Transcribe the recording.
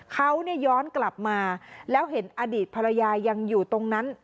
เขาย้อนกลับมาแล้วเห็นอดีตภรรยายังอยู่ตรงนั้น